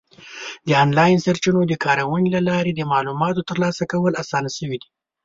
د آنلاین سرچینو د کارونې له لارې د معلوماتو ترلاسه کول اسان شوي دي.